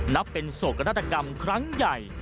นับเป็นโศกนาฏกรรมครั้งใหญ่